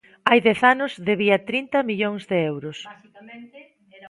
Hai dez anos debía trinta millóns de euros.